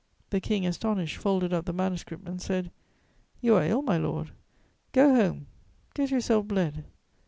The King, astonished, folded up the manuscript and said: "You are ill, my lord; go home; get yourself bled."